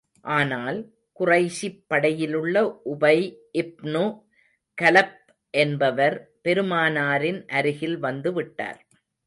ஆனால், குறைஷிப் படையிலுள்ள உபை இப்னு கலப் என்பவர், பெருமானாரின் அருகில் வந்து விட்டார்.